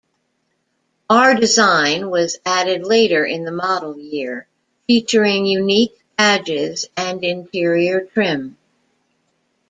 R-Design was added later in the model year, featuring unique badges and interior trim.